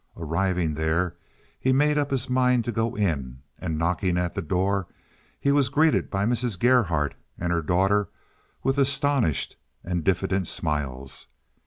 Arriving there, he made up his mind to go in, and knocking at the door, he was greeted by Mrs. Gerhardt and her daughter with astonished and diffident smiles.